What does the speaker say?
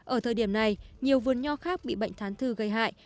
ở thời điểm này nhiều vườn nho khác bị bệnh thán thư gây hại